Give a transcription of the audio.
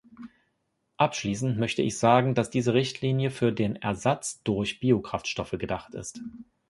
Abschließend möchte ich sagen, dass diese Richtlinie für den Ersatz durch Biokraftstoffe gedacht ist.